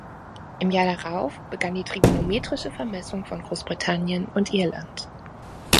Im Jahr darauf begann die Trigonometrische Vermessung von Großbritannien und Irland.